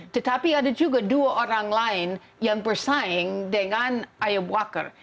tetapi ada juga dua orang lain yang bersaing dengan ayub wacker